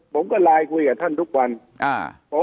ผมก็คุยกับท่านดูประโยชน์ทุกวัน